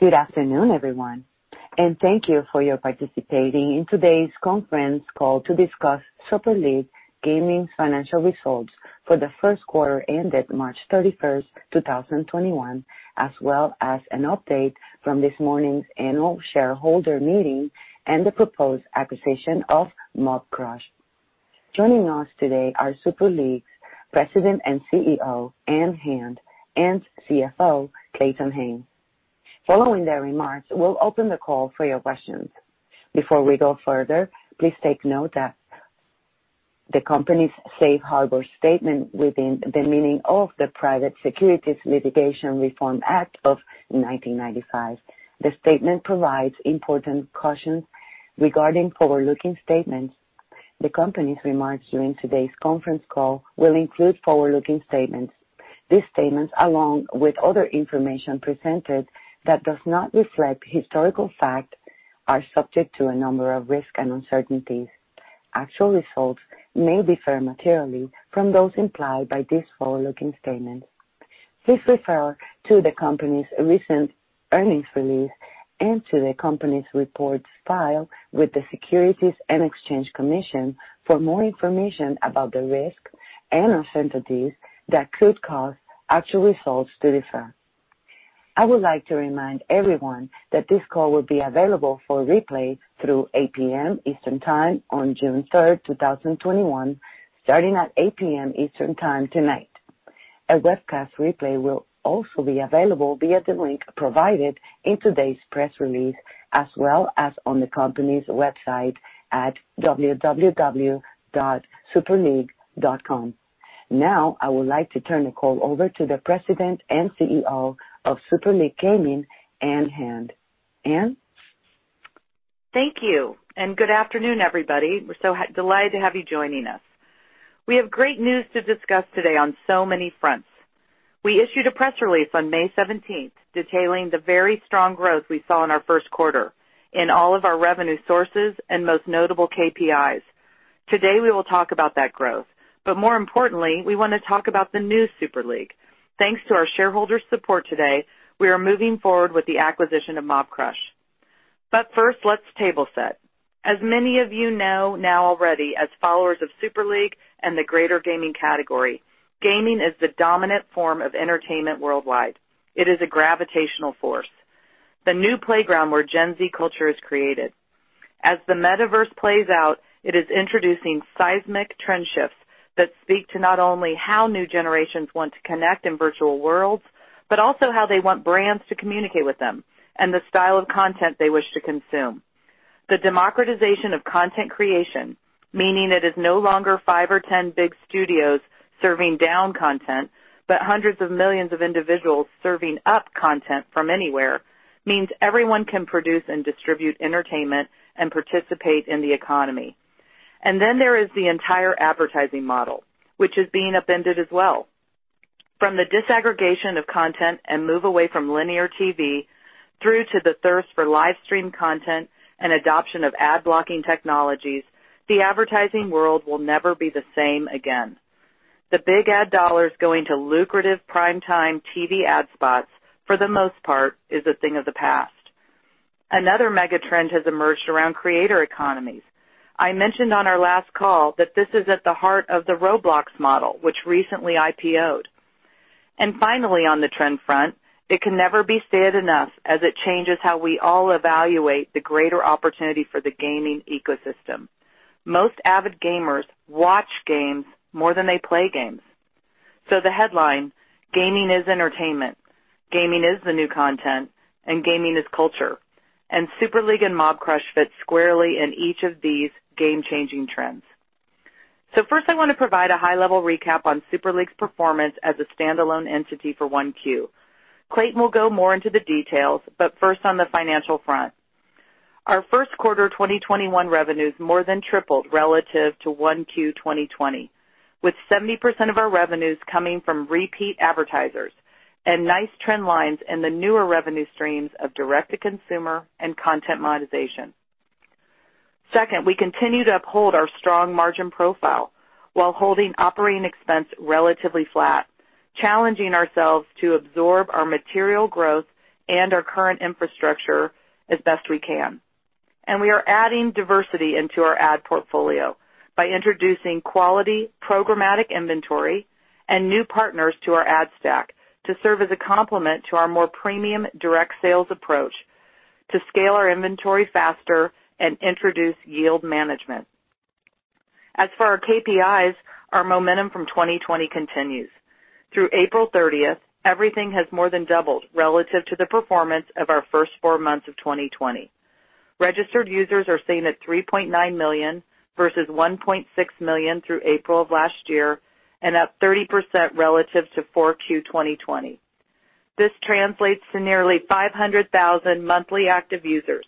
Good afternoon, everyone, and thank you for your participating in today's conference call to discuss Super League Gaming's financial results for the first quarter ended March 31st, 2021, as well as an update from this morning's annual shareholder meeting and the proposed acquisition of Mobcrush. Joining us today are Super League's President and CEO, Ann Hand, and CFO, Clayton Haynes. Following their remarks, we'll open the call for your questions. Before we go further, please take note that the company's safe harbor statement within the meaning of the Private Securities Litigation Reform Act of 1995. The statement provides important cautions regarding forward-looking statements. The company's remarks during today's conference call will include forward-looking statements. These statements, along with other information presented that does not reflect historical fact, are subject to a number of risks and uncertainties. Actual results may differ materially from those implied by these forward-looking statements. Please refer to the company's recent earnings release and to the company's reports filed with the Securities and Exchange Commission for more information about the risks and uncertainties that could cause actual results to differ. I would like to remind everyone that this call will be available for replay through 8:00 P.M. Eastern Time on June 3rd, 2021, starting at 8:00 P.M. Eastern Time tonight. A webcast replay will also be available via the link provided in today's press release, as well as on the company's website at www.superleague.com. I would like to turn the call over to the President and CEO of Super League Gaming, Ann Hand. Ann? Thank you, and good afternoon, everybody. We're so delighted to have you joining us. We have great news to discuss today on so many fronts. We issued a press release on May 17th detailing the very strong growth we saw in our first quarter in all of our revenue sources and most notable KPIs. Today, we will talk about that growth, more importantly, we want to talk about the new Super League. Thanks to our shareholders' support today, we are moving forward with the acquisition of Mobcrush. First, let's table set. As many of you know now already as followers of Super League and the greater gaming category, gaming is the dominant form of entertainment worldwide. It is a gravitational force, the new playground where Gen Z culture is created. As the metaverse plays out, it is introducing seismic trend shifts that speak to not only how new generations want to connect in virtual worlds, but also how they want brands to communicate with them and the style of content they wish to consume. The democratization of content creation, meaning it is no longer five or 10 big studios serving down content, but hundreds of millions of individuals serving up content from anywhere, means everyone can produce and distribute entertainment and participate in the economy. Then there is the entire advertising model, which is being upended as well. From the disaggregation of content and move away from linear TV through to the thirst for live-stream content and adoption of ad-blocking technologies, the advertising world will never be the same again. The big ad dollars going to lucrative primetime TV ad spots, for the most part, is a thing of the past. Another mega-trend has emerged around creator economies. I mentioned on our last call that this is at the heart of the Roblox model, which recently IPO'd. Finally, on the trend front, it can never be said enough as it changes how we all evaluate the greater opportunity for the gaming ecosystem. Most avid gamers watch games more than they play games. The headline, gaming is entertainment, gaming is the new content, and gaming is culture. Super League and Mobcrush fit squarely in each of these game-changing trends. First, I want to provide a high-level recap on Super League's performance as a standalone entity for 1Q. Clayton will go more into the details, first on the financial front. Our first quarter 2021 revenues more than tripled relative to 1Q 2020, with 70% of our revenues coming from repeat advertisers and nice trend lines in the newer revenue streams of direct-to-consumer and content monetization. Second, we continue to uphold our strong margin profile while holding operating expense relatively flat, challenging ourselves to absorb our material growth and our current infrastructure as best we can. We are adding diversity into our ad portfolio by introducing quality programmatic inventory and new partners to our ad stack to serve as a complement to our more premium direct sales approach to scale our inventory faster and introduce yield management. As for our KPIs, our momentum from 2020 continues. Through April 30th, everything has more than doubled relative to the performance of our first four months of 2020. Registered users are sitting at 3.9 million versus 1.6 million through April of last year and up 30% relative to 4Q 2020. This translates to nearly 500,000 monthly active users.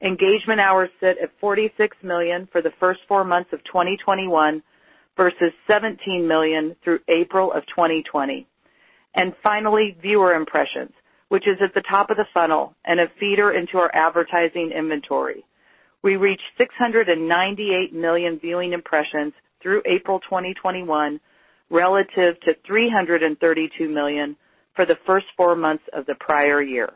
Engagement hours sit at 46 million for the first four months of 2021 versus 17 million through April of 2020. Finally, viewer impressions, which is at the top of the funnel and a feeder into our advertising inventory. We reached 698 million viewing impressions through April 2021, relative to 332 million for the first four months of the prior year.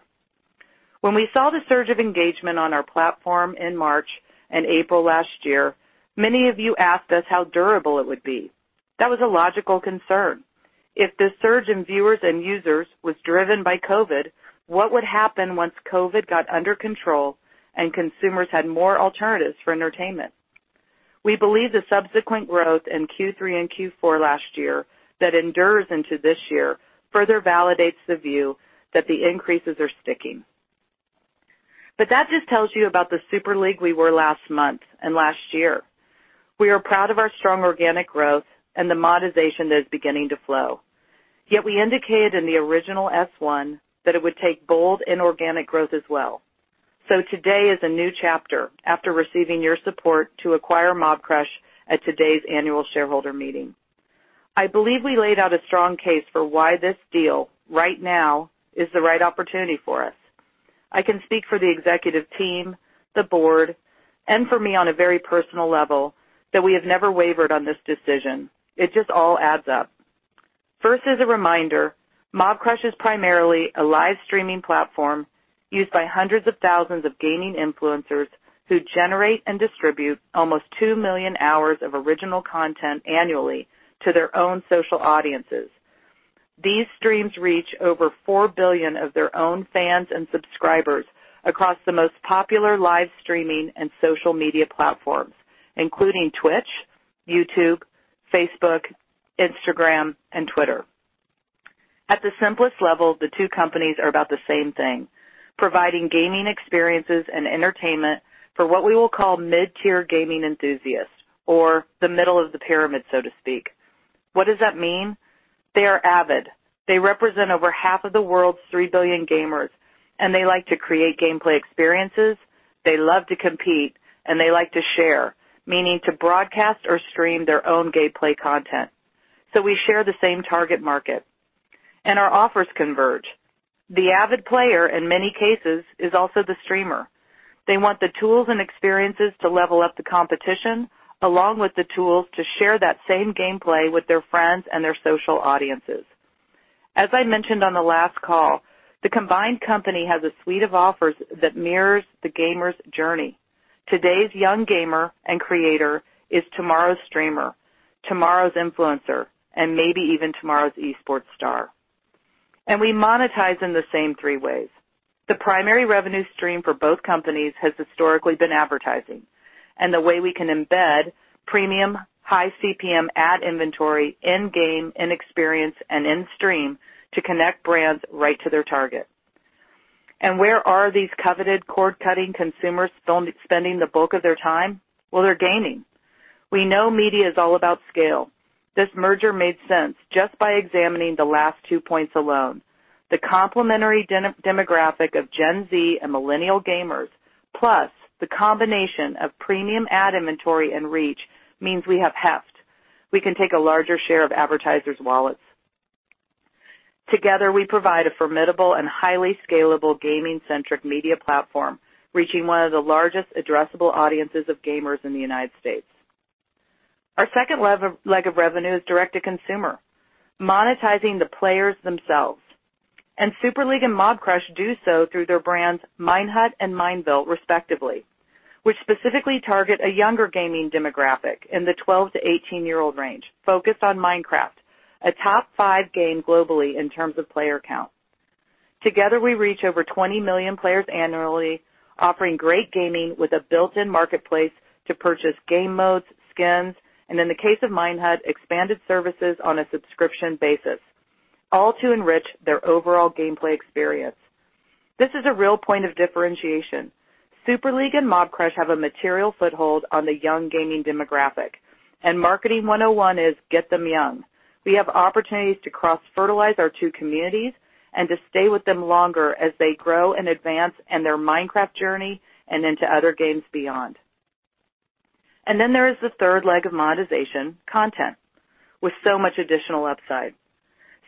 When we saw the surge of engagement on our platform in March and April last year, many of you asked us how durable it would be. That was a logical concern. If the surge in viewers and users was driven by COVID, what would happen once COVID got under control and consumers had more alternatives for entertainment? We believe the subsequent growth in Q3 and Q4 last year that endures into this year further validates the view that the increases are sticking. That just tells you about the Super League we were last month and last year. We are proud of our strong organic growth and the monetization that is beginning to flow. Yet we indicated in the original S-1 that it would take bold inorganic growth as well. Today is a new chapter after receiving your support to acquire Mobcrush at today's annual shareholder meeting. I believe we laid out a strong case for why this deal right now is the right opportunity for us. I can speak for the executive team, the board, and for me on a very personal level that we have never wavered on this decision. It just all adds up. First, as a reminder, Mobcrush is primarily a live streaming platform used by hundreds of thousands of gaming influencers who generate and distribute almost two million hours of original content annually to their own social audiences. These streams reach over four billion of their own fans and subscribers across the most popular live streaming and social media platforms, including Twitch, YouTube, Facebook, Instagram, and Twitter. At the simplest level, the two companies are about the same thing: providing gaming experiences and entertainment for what we will call mid-tier gaming enthusiasts, or the middle of the pyramid, so to speak. What does that mean? They are avid. They represent over half of the world's three billion gamers. They like to create gameplay experiences, they love to compete, and they like to share, meaning to broadcast or stream their own gameplay content. We share the same target market, and our offers converge. The avid player, in many cases, is also the streamer. They want the tools and experiences to level up the competition, along with the tools to share that same gameplay with their friends and their social audiences. As I mentioned on the last call, the combined company has a suite of offers that mirrors the gamer's journey. Today's young gamer and creator is tomorrow's streamer, tomorrow's influencer, and maybe even tomorrow's esports star. We monetize in the same three ways. The primary revenue stream for both companies has historically been advertising and the way we can embed premium high CPM ad inventory in-game, in-experience, and in-stream to connect brands right to their target. Where are these coveted cord-cutting consumers spending the bulk of their time? Well, they're gaming. We know media is all about scale. This merger made sense just by examining the last two points alone. The complementary demographic of Gen Z and millennial gamers, plus the combination of premium ad inventory and reach means we have heft. We can take a larger share of advertisers' wallets. Together, we provide a formidable and highly scalable gaming-centric media platform, reaching one of the largest addressable audiences of gamers in the United States. Our second leg of revenue is direct-to-consumer, monetizing the players themselves. Super League and Mobcrush do so through their brands Minehut and Mineville respectively, which specifically target a younger gaming demographic in the 12-18 year-old range, focused on Minecraft, a top five game globally in terms of player count. Together, we reach over 20 million players annually, offering great gaming with a built-in marketplace to purchase game modes, skins, and in the case of Minehut, expanded services on a subscription basis, all to enrich their overall gameplay experience. This is a real point of differentiation. Super League and Mobcrush have a material foothold on the young gaming demographic, and marketing 101 is get them young. We have opportunities to cross-fertilize our two communities and to stay with them longer as they grow and advance in their Minecraft journey and into other games beyond. Then there is the third leg of monetization, content, with so much additional upside.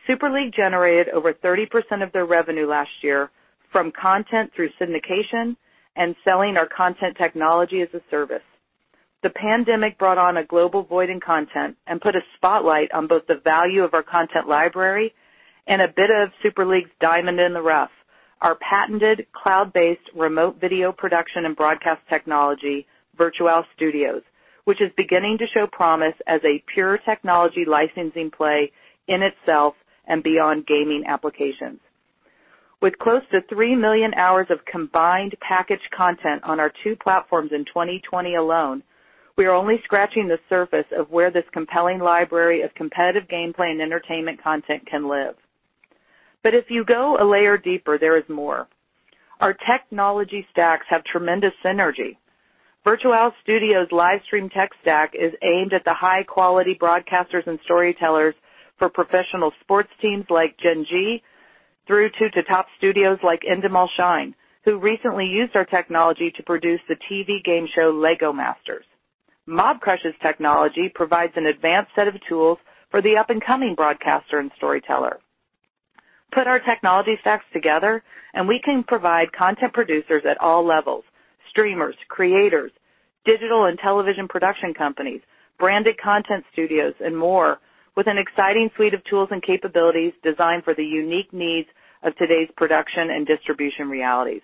Super League generated over 30% of their revenue last year from content through syndication and selling our content technology as a service. The pandemic brought on a global void in content and put a spotlight on both the value of our content library and a bit of Super League's diamond in the rough, our patented cloud-based remote video production and broadcast technology, Virtualis Studios, which is beginning to show promise as a pure technology licensing play in itself and beyond gaming applications. With close to three million hours of combined packaged content on our two platforms in 2020 alone, we are only scratching the surface of where this compelling library of competitive gameplay and entertainment content can live. If you go a layer deeper, there is more. Our technology stacks have tremendous synergy. Virtualis Studios' live stream tech stack is aimed at the high-quality broadcasters and storytellers for professional sports teams like Gen Z through to top studios like Endemol Shine, who recently used our technology to produce the TV game show Lego Masters. Mobcrush's technology provides an advanced set of tools for the up-and-coming broadcaster and storyteller. Put our technology stacks together, and we can provide content producers at all levels, streamers, creators, digital and television production companies, branded content studios, and more, with an exciting suite of tools and capabilities designed for the unique needs of today's production and distribution realities,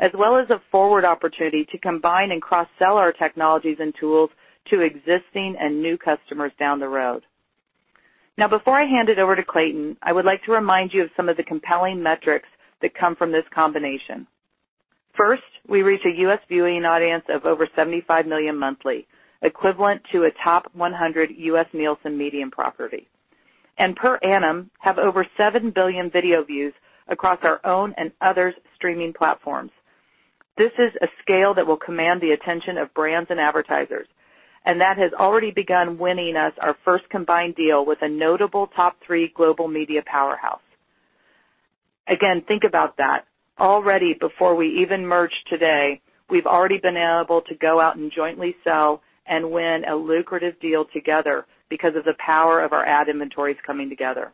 as well as a forward opportunity to combine and cross-sell our technologies and tools to existing and new customers down the road. Now, before I hand it over to Clayton, I would like to remind you of some of the compelling metrics that come from this combination. First, we reach a U.S. viewing audience of over 75 million monthly, equivalent to a top 100 U.S. Nielsen media property. Per annum, have over seven billion video views across our own and others' streaming platforms. This is a scale that will command the attention of brands and advertisers, and that has already begun winning us our first combined deal with a notable top 3 global media powerhouse. Again, think about that. Already before we even merge today, we've already been able to go out and jointly sell and win a lucrative deal together because of the power of our ad inventories coming together.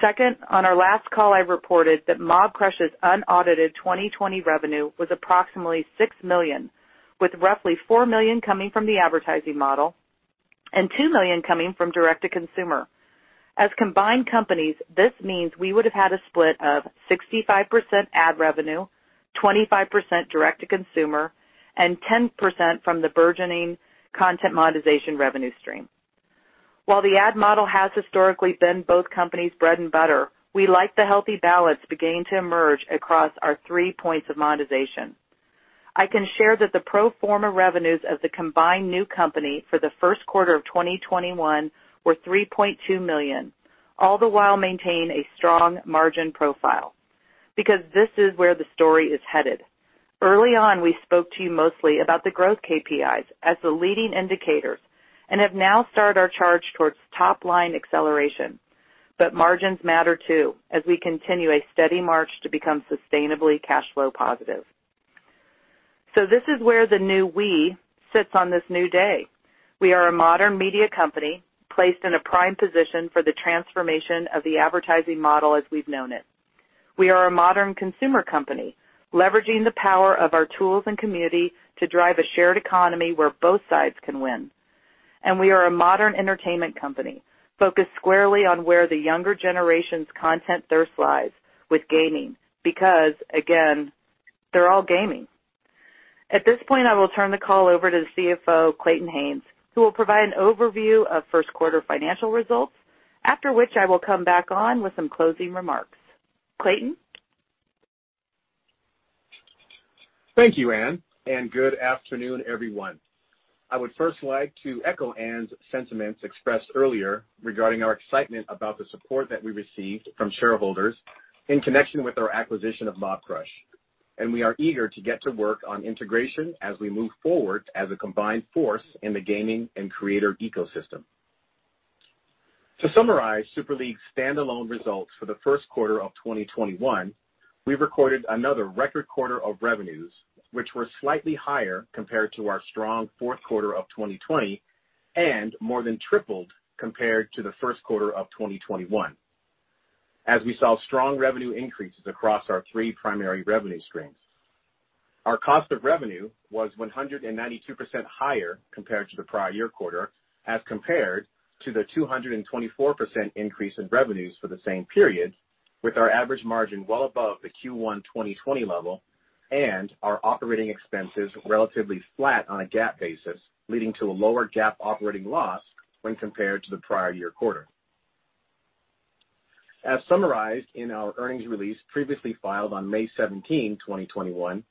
Second, on our last call, I reported that Mobcrush's unaudited 2020 revenue was approximately $6 million, with roughly $4 million coming from the advertising model and $2 million coming from direct-to-consumer. As combined companies, this means we would have had a split of 65% ad revenue, 25% direct-to-consumer, and 10% from the burgeoning content monetization revenue stream. While the ad model has historically been both companies' bread and butter, we like the healthy balance beginning to emerge across our three points of monetization. I can share that the pro forma revenues of the combined new company for the first quarter of 2021 were $3.2 million, all the while maintaining a strong margin profile. This is where the story is headed. Early on, we spoke to you mostly about the growth KPIs as the leading indicator, and have now started our charge towards top-line acceleration. Margins matter too, as we continue a steady march to become sustainably cash flow positive. This is where the new we sits on this new day. We are a modern media company placed in a prime position for the transformation of the advertising model as we've known it. We are a modern consumer company, leveraging the power of our tools and community to drive a shared economy where both sides can win. We are a modern entertainment company, focused squarely on where the younger generation's content thirst lies with gaming, because again, they're all gaming. At this point, I will turn the call over to CFO Clayton Haynes, who will provide an overview of first quarter financial results, after which I will come back on with some closing remarks. Clayton? Thank you, Ann, and good afternoon, everyone. I would first like to echo Ann's sentiments expressed earlier regarding our excitement about the support that we received from shareholders in connection with our acquisition of Mobcrush. We are eager to get to work on integration as we move forward as a combined force in the gaming and creator ecosystem. To summarize Super League's standalone results for the first quarter of 2021, we recorded another record quarter of revenues, which were slightly higher compared to our strong fourth quarter of 2020 and more than tripled compared to the first quarter of 2021, as we saw strong revenue increases across our three primary revenue streams. Our cost of revenue was 192% higher compared to the prior year quarter as compared to the 224% increase in revenues for the same period, with our average margin well above the Q1 2020 level and our operating expenses relatively flat on a GAAP basis, leading to a lower GAAP operating loss when compared to the prior year quarter. As summarized in our earnings release previously filed on May 17, 2021,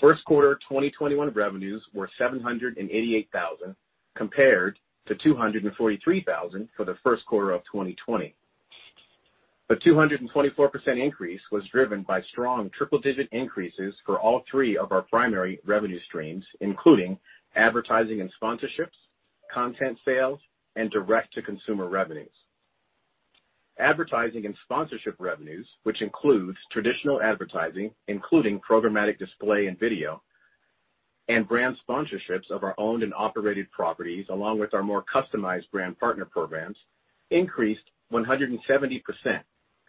first quarter 2021 revenues were $788,000, compared to $243,000 for the first quarter of 2020. The 224% increase was driven by strong triple-digit increases for all three of our primary revenue streams, including advertising and sponsorships, content sales, and direct-to-consumer revenues. Advertising and sponsorship revenues, which includes traditional advertising, including programmatic display and video, and brand sponsorships of our owned and operated properties, along with our more customized brand partner programs, increased 170%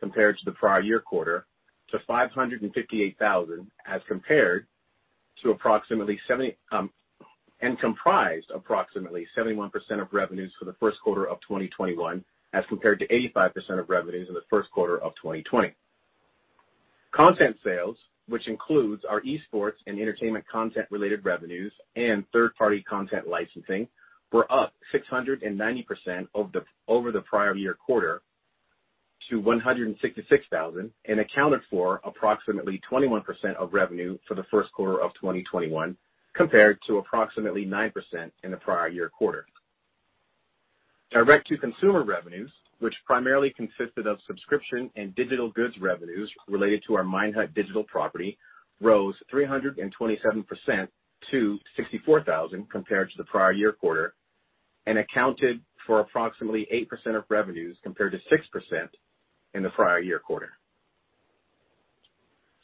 compared to the prior year quarter to $558,000 and comprised approximately 71% of revenues for the first quarter of 2021 as compared to 85% of revenues in the first quarter of 2020. Content sales, which includes our esports and entertainment content-related revenues and third-party content licensing, were up 690% over the prior year quarter to $166,000 and accounted for approximately 21% of revenue for the first quarter of 2021 compared to approximately 9% in the prior year quarter. Direct-to-consumer revenues, which primarily consisted of subscription and digital goods revenues related to our Minehut digital property, rose 327% to $64,000 compared to the prior year quarter and accounted for approximately 8% of revenues compared to 6% in the prior year quarter.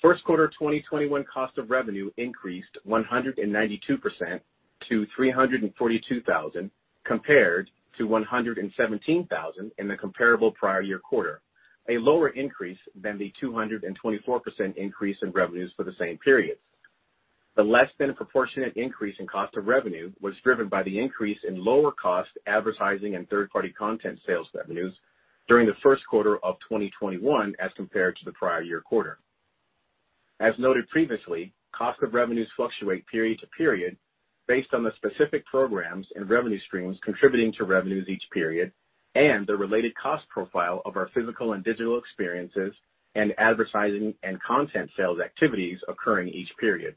First quarter 2021 cost of revenue increased 192% to $342,000 compared to $117,000 in the comparable prior year quarter, a lower increase than the 224% increase in revenues for the same period. The less than proportionate increase in cost of revenue was driven by the increase in lower cost advertising and third-party content sales revenues during the first quarter of 2021 as compared to the prior year quarter. As noted previously, cost of revenues fluctuate period to period based on the specific programs and revenue streams contributing to revenues each period, and the related cost profile of our physical and digital experiences and advertising and content sales activities occurring each period.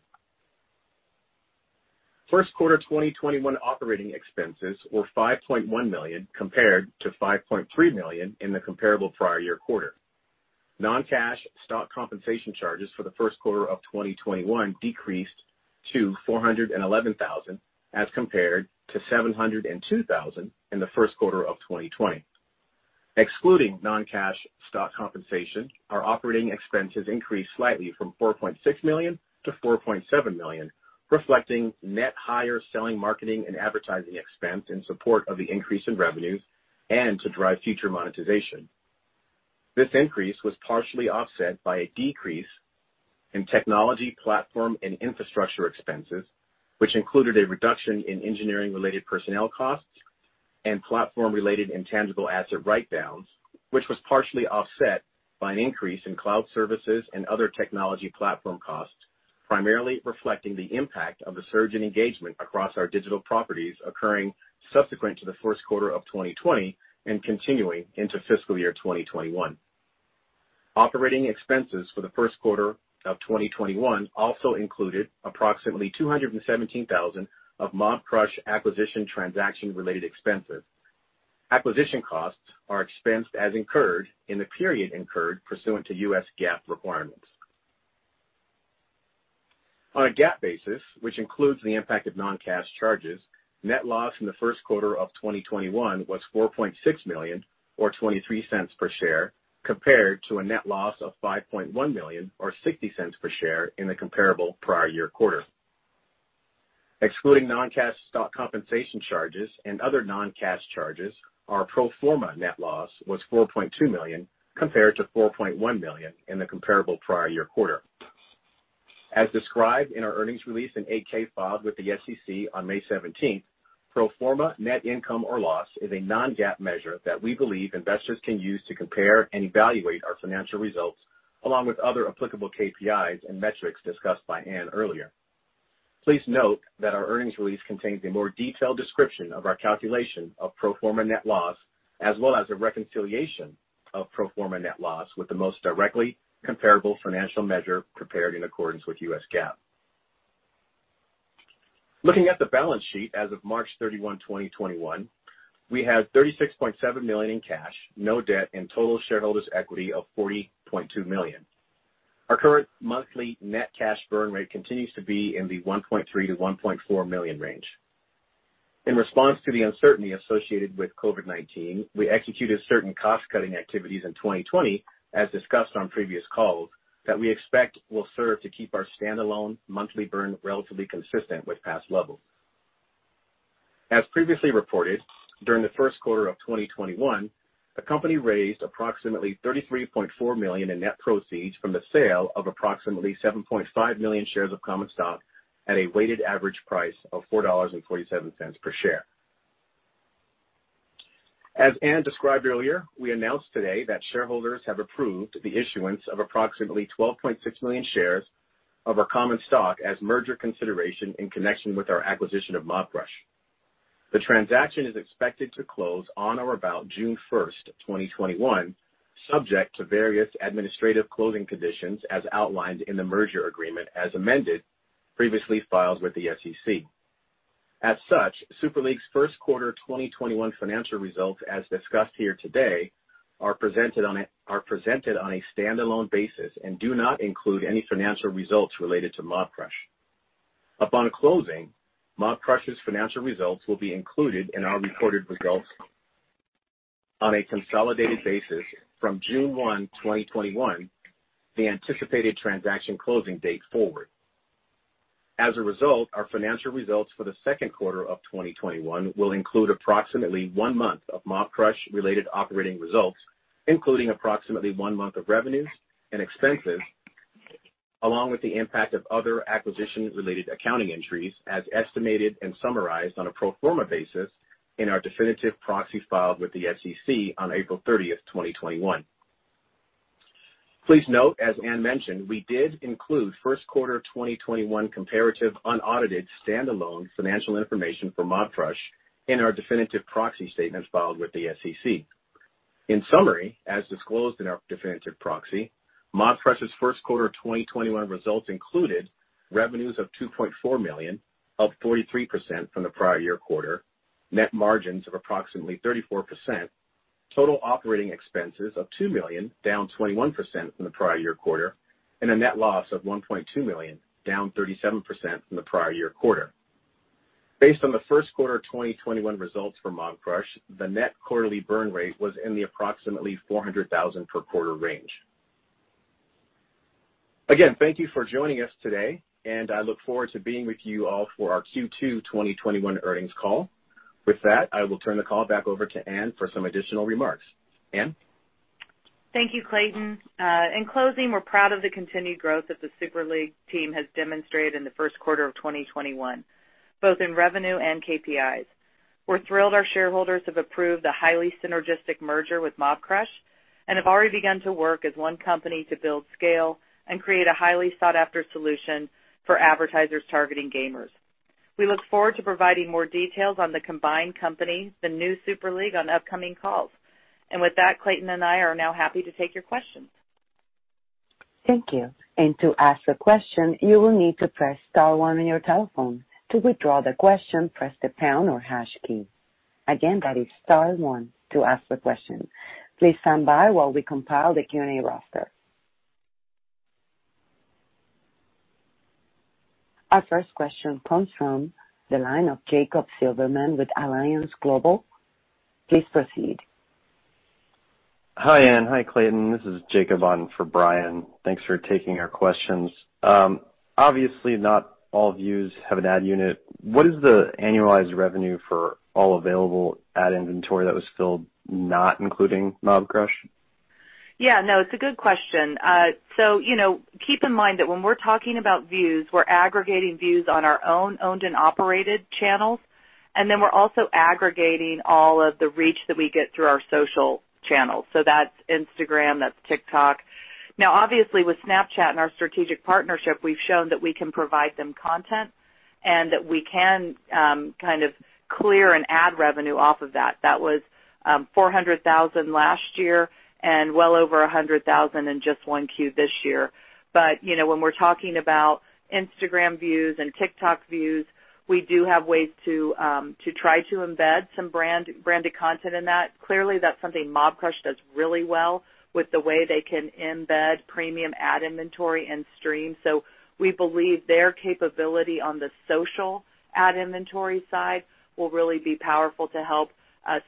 First quarter 2021 operating expenses were $5.1 million compared to $5.3 million in the comparable prior year quarter. Non-cash stock compensation charges for the first quarter of 2021 decreased to $411,000 as compared to $702,000 in the first quarter of 2020. Excluding non-cash stock compensation, our operating expenses increased slightly from $4.6 million to $4.7 million, reflecting net higher selling, marketing, and advertising expense in support of the increase in revenues and to drive future monetization. This increase was partially offset by a decrease in technology platform and infrastructure expenses, which included a reduction in engineering-related personnel costs and platform-related intangible asset write-downs, which was partially offset by an increase in cloud services and other technology platform costs, primarily reflecting the impact of a surge in engagement across our digital properties occurring subsequent to the first quarter of 2020 and continuing into fiscal year 2021. Operating expenses for the first quarter of 2021 also included approximately $217,000 of Mobcrush acquisition transaction-related expenses. Acquisition costs are expensed as incurred in the period incurred pursuant to U.S. GAAP requirements. On a GAAP basis, which includes the impact of non-cash charges, net loss in the first quarter of 2021 was $4.6 million, or $0.23 per share, compared to a net loss of $5.1 million, or $0.60 per share in the comparable prior year quarter. Excluding non-cash stock compensation charges and other non-cash charges, our pro forma net loss was $4.2 million compared to $4.1 million in the comparable prior year quarter. As described in our earnings release and 8-K filed with the SEC on May 17th, pro forma net income or loss is a non-GAAP measure that we believe investors can use to compare and evaluate our financial results along with other applicable KPIs and metrics discussed by Ann earlier. Please note that our earnings release contains a more detailed description of our calculation of pro forma net loss, as well as a reconciliation of pro forma net loss with the most directly comparable financial measure prepared in accordance with U.S. GAAP. Looking at the balance sheet as of March 31, 2021, we had $36.7 million in cash, no debt, and total shareholders' equity of $40.2 million. Our current monthly net cash burn rate continues to be in the $1.3 million-$1.4 million range. In response to the uncertainty associated with COVID-19, we executed certain cost-cutting activities in 2020, as discussed on previous calls, that we expect will serve to keep our standalone monthly burn relatively consistent with past levels. As previously reported, during the first quarter of 2021, the company raised approximately $33.4 million in net proceeds from the sale of approximately 7.5 million shares of common stock at a weighted average price of $4.47 per share. As Ann described earlier, we announced today that shareholders have approved the issuance of approximately 12.6 million shares of our common stock as merger consideration in connection with our acquisition of Mobcrush. The transaction is expected to close on or about June 1st, 2021, subject to various administrative closing conditions as outlined in the merger agreement as amended previously filed with the SEC. As such, Super League's first quarter 2021 financial results as discussed here today are presented on a standalone basis and do not include any financial results related to Mobcrush. Upon closing, Mobcrush's financial results will be included in our reported results on a consolidated basis from June 1, 2021, the anticipated transaction closing date forward. As a result, our financial results for the second quarter of 2021 will include approximately one month of Mobcrush-related operating results, including approximately one month of revenues and expenses, along with the impact of other acquisition-related accounting entries as estimated and summarized on a pro forma basis in our definitive proxy filed with the SEC on April 30th, 2021. Please note, as Ann mentioned, we did include first quarter 2021 comparative unaudited standalone financial information for Mobcrush in our definitive proxy statements filed with the SEC. In summary, as disclosed in our definitive proxy, Mobcrush's first quarter 2021 results included revenues of $2.4 million, up 43% from the prior year quarter, net margins of approximately 34%, total operating expenses of $2 million, down 21% from the prior year quarter, and a net loss of $1.2 million, down 37% from the prior year quarter. Based on the first quarter 2021 results for Mobcrush, the net quarterly burn rate was in the approximately $400,000 per quarter range. Again, thank you for joining us today, and I look forward to being with you all for our Q2 2021 earnings call. With that, I will turn the call back over to Ann for some additional remarks. Ann? Thank you, Clayton. In closing, we're proud of the continued growth that the Super League team has demonstrated in the first quarter of 2021, both in revenue and KPIs. We're thrilled our shareholders have approved the highly synergistic merger with Mobcrush and have already begun to work as one company to build scale and create a highly sought-after solution for advertisers targeting gamers. We look forward to providing more details on the combined company, the new Super League, on upcoming calls. With that, Clayton and I are now happy to take your questions. Thank you. To ask a question, you will need to press star one on your telephone. To withdraw the question, press the pound or hash key. Again, that is star one to ask the question. Please stand by while we compile the Q&A roster. Our first question comes from the line of Jacob Silverman with Alliance Global. Please proceed. Hi, Ann. Hi, Clayton Haynes. This is Jacob on for Brian. Thanks for taking our questions. Obviously, not all views have an ad unit. What is the annualized revenue for all available ad inventory that was filled, not including Mobcrush? No, it's a good question. Keep in mind that when we're talking about views, we're aggregating views on our own owned and operated channels, and then we're also aggregating all of the reach that we get through our social channels. That's Instagram, that's TikTok. Obviously, with Snapchat and our strategic partnership, we've shown that we can provide them content and that we can kind of clear an ad revenue off of that. That was $400,000 last year and well over $100,000 in just 1Q this year. When we're talking about Instagram views and TikTok views, we do have ways to try to embed some branded content in that. Clearly, that's something Mobcrush does really well with the way they can embed premium ad inventory and stream. We believe their capability on the social ad inventory side will really be powerful to help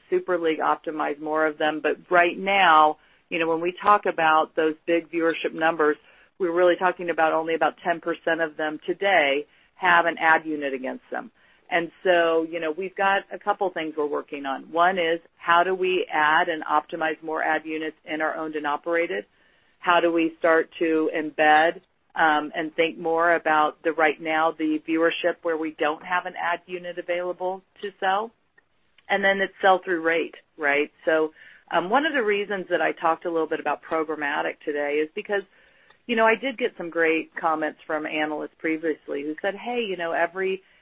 Super League optimize more of them. Right now, when we talk about those big viewership numbers, we're really talking about only about 10% of them today have an ad unit against them. We've got a couple things we're working on. One is, how do we add and optimize more ad units in our owned and operated? How do we start to embed and think more about the right now, the viewership where we don't have an ad unit available to sell? It's sell-through rate, right? One of the reasons that I talked a little bit about programmatic today is because I did get some great comments from analysts previously who said, "Hey,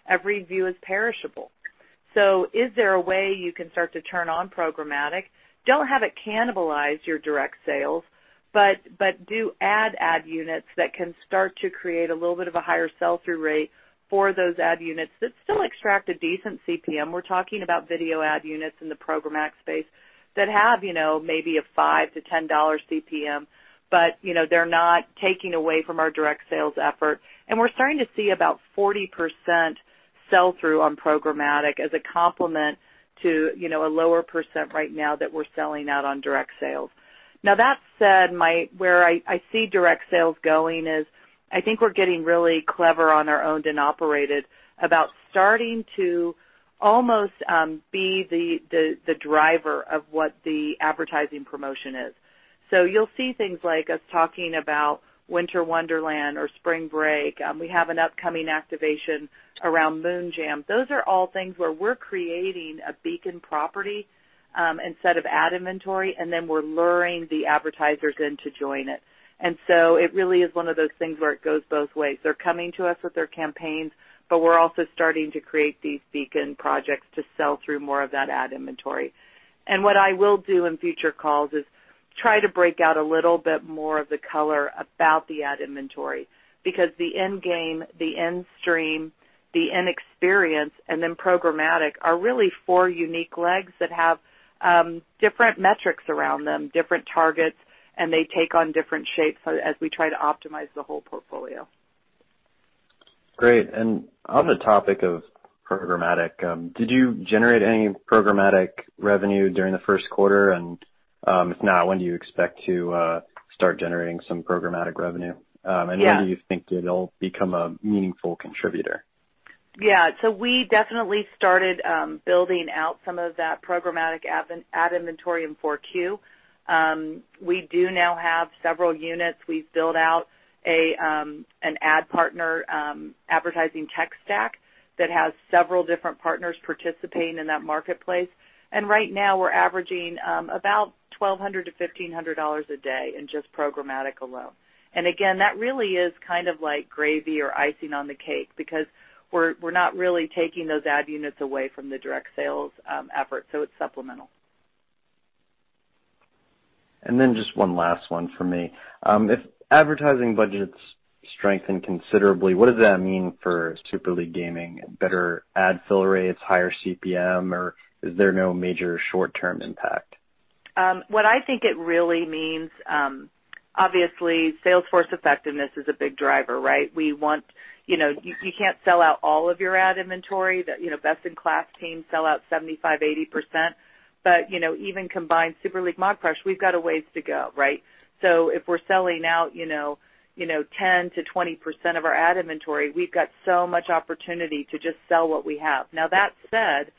every view is perishable." Is there a way you can start to turn on programmatic? Don't have it cannibalize your direct sales, but do add ad units that can start to create a little bit of a higher sell-through rate for those ad units that still extract a decent CPM. We're talking about video ad units in the programmatic space that have maybe a $5-$10 CPM, but they're not taking away from our direct sales effort. We're starting to see about 40% sell-through on programmatic as a complement to a lower percent right now that we're selling out on direct sales. That said, where I see direct sales going is, I think we're getting really clever on our owned and operated about starting to almost be the driver of what the advertising promotion is. You'll see things like us talking about Winter Wonderland or Spring Break. We have an upcoming activation around MoonJam. Those are all things where we're creating a beacon property, instead of ad inventory, and then we're luring the advertisers in to join it. It really is one of those things where it goes both ways. They're coming to us with their campaigns, but we're also starting to create these beacon projects to sell through more of that ad inventory. What I will do in future calls is try to break out a little bit more of the color about the ad inventory, because the in-game, the in-stream, the in-experience, and then programmatic are really four unique legs that have different metrics around them, different targets, and they take on different shapes as we try to optimize the whole portfolio. Great. On the topic of programmatic, did you generate any programmatic revenue during the first quarter? If not, when do you expect to start generating some programmatic revenue? Yeah. When do you think it'll become a meaningful contributor? We definitely started building out some of that programmatic ad inventory in 4Q. We do now have several units. We've built out an ad partner advertising tech stack that has several different partners participating in that marketplace. Right now, we're averaging about $1,200-$1,500 a day in just programmatic alone. Again, that really is kind of like gravy or icing on the cake because we're not really taking those ad units away from the direct sales effort, so it's supplemental. Just one last one from me. If advertising budgets strengthen considerably, what does that mean for Super League Gaming? Better ad fill rates, higher CPM, or is there no major short-term impact? What I think it really means, obviously, sales force effectiveness is a big driver, right? You can't sell out all of your ad inventory. Best in class teams sell out 75%, 80%. Even combined Super League, Mobcrush, we've got a ways to go, right? If we're selling out 10%-20% of our ad inventory, we've got so much opportunity to just sell what we have. Now, that said,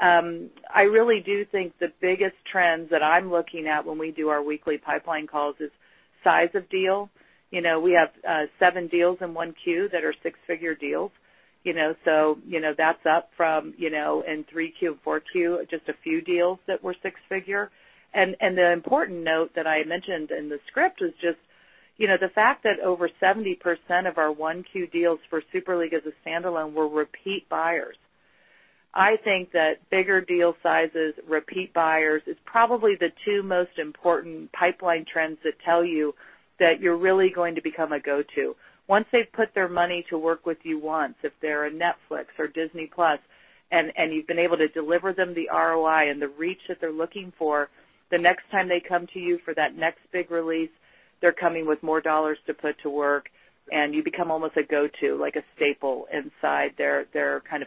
I really do think the biggest trends that I'm looking at when we do our weekly pipeline calls is size of deal. We have seven deals in one queue that are six-figure deals. That's up from, in 3Q and 4Q, just a few deals that were six-figure. The important note that I mentioned in the script is just the fact that over 70% of our 1Q deals for Super League as a standalone were repeat buyers. I think that bigger deal sizes, repeat buyers, is probably the two most important pipeline trends that tell you that you're really going to become a go-to. Once they've put their money to work with you once, if they're a Netflix or Disney+, and you've been able to deliver them the ROI and the reach that they're looking for, the next time they come to you for that next big release, they're coming with more dollars to put to work, and you become almost a go-to, like a staple inside their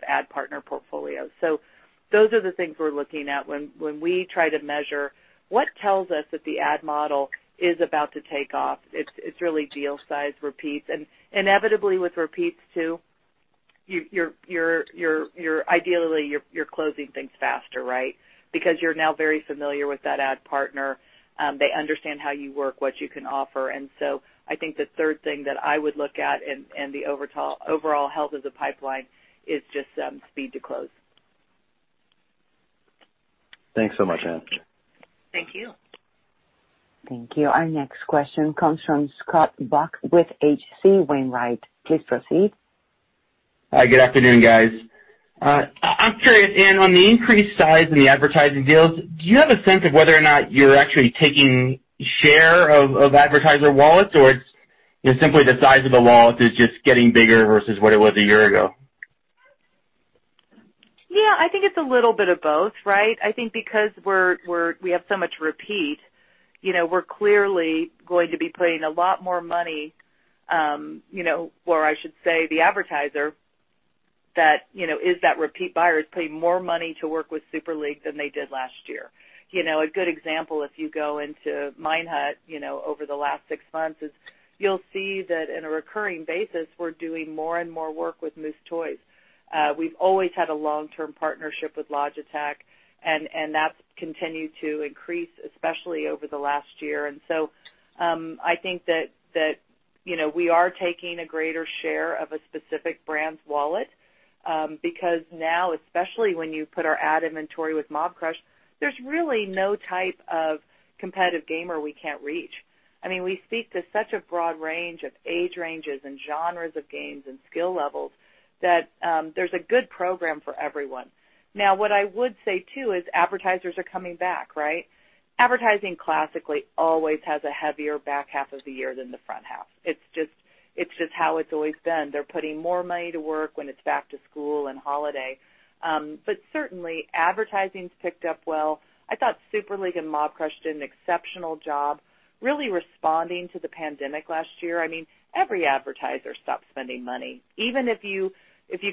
ad partner portfolio. Those are the things we're looking at when we try to measure what tells us that the ad model is about to take off. It's really deal size repeats. Inevitably with repeats, too, ideally, you're closing things faster, right? You're now very familiar with that ad partner. They understand how you work, what you can offer. I think the third thing that I would look at in the overall health of the pipeline is just speed to close. Thanks so much, Ann. Thank you. Thank you. Our next question comes from Scott Buck with H.C. Wainwright. Please proceed. Hi, good afternoon, guys. I'm curious, Ann, on the increased size in the advertising deals, do you have a sense of whether or not you're actually taking share of advertiser wallets, or it's simply the size of the wallet is just getting bigger versus what it was a year ago? Yeah, I think it's a little bit of both, right? I think because we have so much repeat, we're clearly going to be putting a lot more money, or I should say, the advertiser that is that repeat buyer, is paying more money to work with Super League than they did last year. A good example, if you go into Minehut over the last six months, is you'll see that on a recurring basis, we're doing more and more work with Moose Toys. We've always had a long-term partnership with Logitech, and that's continued to increase, especially over the last year. I think that we are taking a greater share of a specific brand's wallet because now, especially when you put our ad inventory with Mobcrush, there's really no type of competitive gamer we can't reach. We speak to such a broad range of age ranges and genres of games and skill levels that there's a good program for everyone. What I would say, too, is advertisers are coming back, right? Advertising classically always has a heavier back half of the year than the front half. It's just how it's always been. They're putting more money to work when it's back to school and holiday. Certainly, advertising's picked up well. I thought Super League and Mobcrush did an exceptional job really responding to the pandemic last year. Every advertiser stopped spending money. Even if you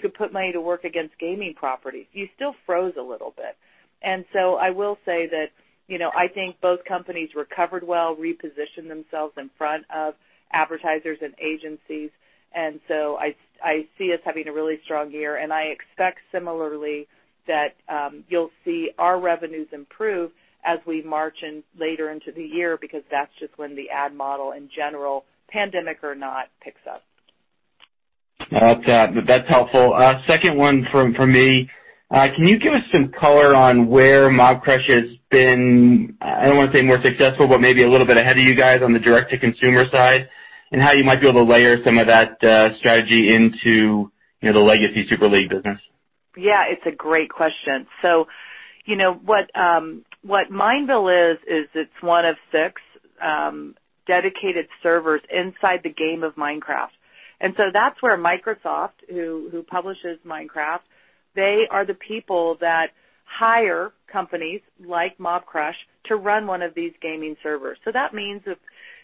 could put money to work against gaming properties, you still froze a little bit. I will say that I think both companies recovered well, repositioned themselves in front of advertisers and agencies. I see us having a really strong year, and I expect similarly that you'll see our revenues improve as we march in later into the year because that's just when the ad model in general, pandemic or not, picks up. That's helpful. Second one from me. Can you give us some color on where Mobcrush has been, I don't want to say more successful, but maybe a little bit ahead of you guys on the direct-to-consumer side, and how you might be able to layer some of that strategy into the legacy Super League business? Yeah, it's a great question. What Mineville is it's one of six dedicated servers inside the game of Minecraft. That's where Microsoft, who publishes Minecraft, they are the people that hire companies like Mobcrush to run one of these gaming servers. That means if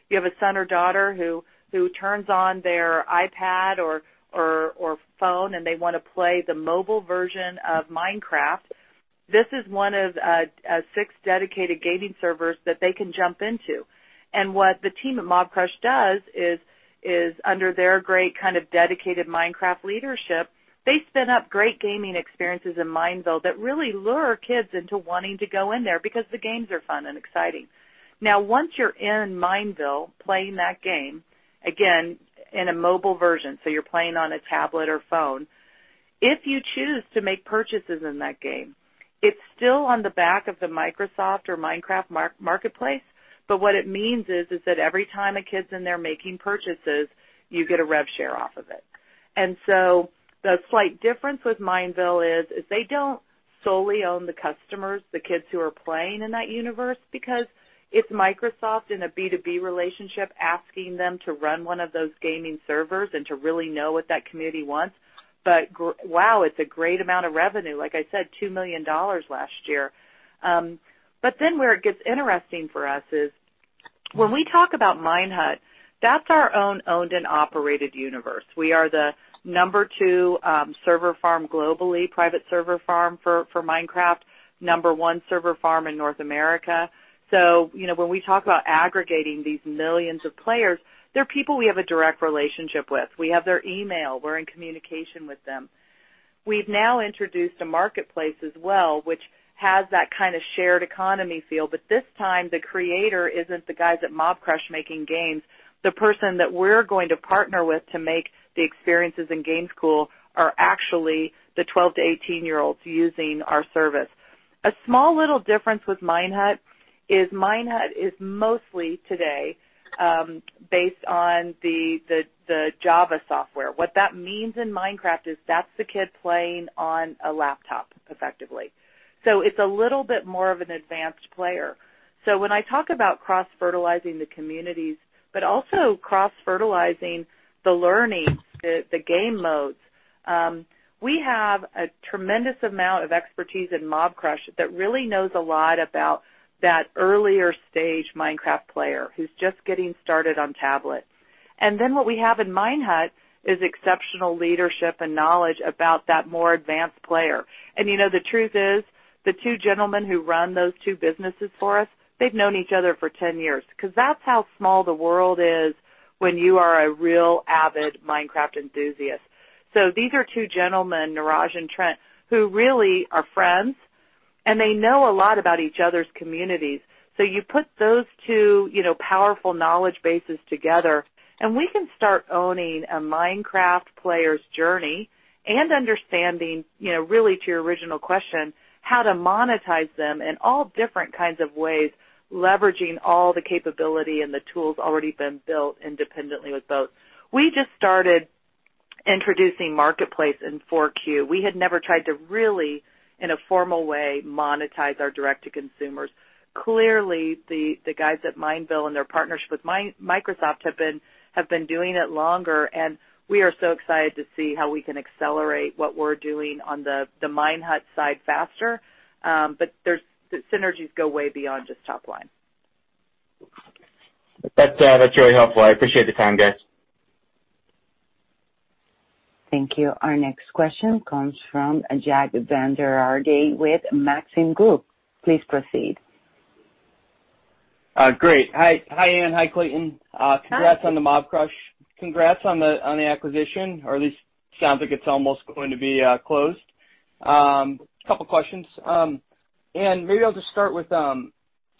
you have a son or daughter who turns on their iPad or phone and they want to play the mobile version of Minecraft, this is one of six dedicated gaming servers that they can jump into. What the team at Mobcrush does is under their great dedicated Minecraft leadership, they spin up great gaming experiences in Mineville that really lure kids into wanting to go in there because the games are fun and exciting. Once you're in Mineville playing that game, again, in a mobile version, so you're playing on a tablet or phone, if you choose to make purchases in that game, it's still on the back of the Microsoft or Minecraft marketplace. What it means is that every time a kid's in there making purchases, you get a rev share off of it. The slight difference with Mineville is they don't solely own the customers, the kids who are playing in that universe, because it's Microsoft in a B2B relationship asking them to run one of those gaming servers and to really know what that community wants. Wow, it's a great amount of revenue, like I said, $2 million last year. Where it gets interesting for us is when we talk about Minehut, that's our own owned and operated universe. We are the number two server farm globally, private server farm for Minecraft, number one server farm in North America. When we talk about aggregating these millions of players, they're people we have a direct relationship with. We have their email. We're in communication with them. We've now introduced a marketplace as well, which has that kind of shared economy feel, but this time the creator isn't the guys at Mobcrush making games. The person that we're going to partner with to make the experiences in [game school] are actually the 12-18 year-olds using our service. A small little difference with Minehut is Minehut is mostly today based on the Java software. What that means in Minecraft is that's the kid playing on a laptop effectively. It's a little bit more of an advanced player. When I talk about cross-fertilizing the communities, but also cross-fertilizing the learning, the game modes we have a tremendous amount of expertise in Mobcrush that really knows a lot about that earlier stage Minecraft player who's just getting started on tablets. What we have in Minehut is exceptional leadership and knowledge about that more advanced player. The truth is, the two gentlemen who run those two businesses for us, they've known each other for 10 years because that's how small the world is when you are a real avid Minecraft enthusiast. These are two gentlemen, Niraj and Trent, who really are friends, and they know a lot about each other's communities. You put those two powerful knowledge bases together, and we can start owning a Minecraft player's journey and understanding, really to your original question, how to monetize them in all different kinds of ways, leveraging all the capability and the tools already been built independently with both. We just started introducing Marketplace in 4Q. We had never tried to really, in a formal way, monetize our direct-to-consumers. Clearly, the guys at Mineville and their partners with Microsoft have been doing it longer, and we are so excited to see how we can accelerate what we're doing on the Minehut side faster. The synergies go way beyond just top line. That's really helpful. I appreciate the time, guys. Thank you. Our next question comes from Jack Vander Aarde with Maxim Group. Please proceed. Great. Hi, Ann. Hi, Clayton. Hi. Congrats on the Mobcrush. Congrats on the acquisition, or at least sounds like it's almost going to be closed. Couple questions. Ann, maybe I'll just start with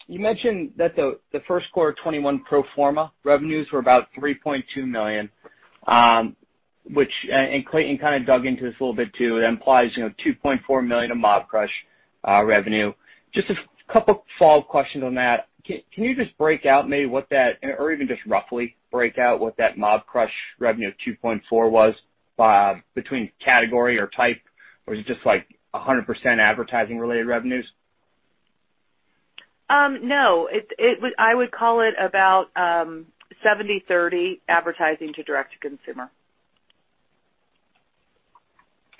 you mentioned that the first quarter 2021 pro forma revenues were about $3.2 million, which, and Clayton kind of dug into this a little bit too, it implies $2.4 million in Mobcrush revenue. Just a couple follow-up questions on that. Can you just break out maybe what that or even just roughly break out what that Mobcrush revenue of $2.4 million was between category or type or is it just 100% advertising related revenues? No. I would call it about 70/30 advertising to direct-to-consumer.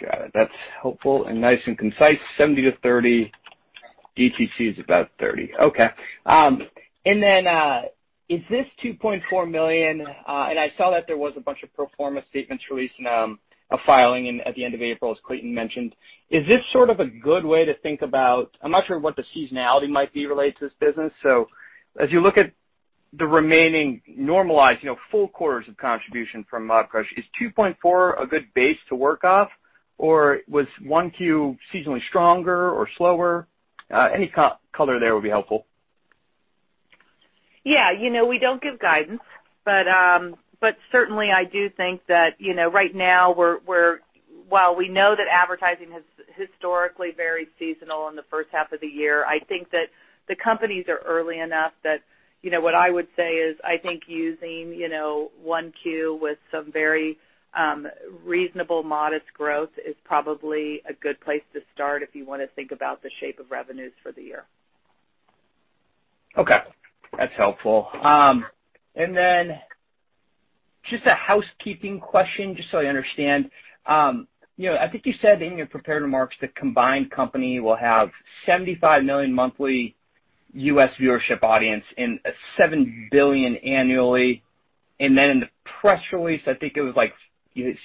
Got it. That's helpful and nice and concise. 70/30. DTC is about 30. Okay. Then is this $2.4 million and I saw that there was a bunch of pro forma statements released a filing at the end of April, as Clayton mentioned. Is this sort of a good way to think about, I'm not sure what the seasonality might be related to this business. As you look at the remaining normalized full quarters of contribution from Mobcrush, is $2.4 million a good base to work off, or was 1Q seasonally stronger or slower? Any color there would be helpful. Yeah, we don't give guidance. Certainly I do think that right now while we know that advertising has historically varied seasonal in the first half of the year, I think that the companies are early enough that what I would say is I think using 1Q with some very reasonable modest growth is probably a good place to start if you want to think about the shape of revenues for the year. Okay. That's helpful. Just a housekeeping question, just so I understand. I think you said in your prepared remarks the combined company will have 75 million monthly U.S. viewership audience and seven billion annually. In the press release, I think it was like